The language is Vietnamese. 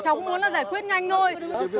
cháu cũng muốn là giải quyết nhanh thôi